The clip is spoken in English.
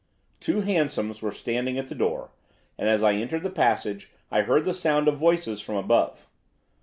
Two hansoms were standing at the door, and as I entered the passage I heard the sound of voices from above.